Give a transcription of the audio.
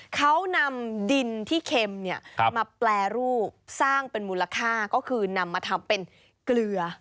เขานำดินที่เค็มมาแปรรูปสร้างเป็นมูลค่าก็คือนำมาทำเป็นเกลือ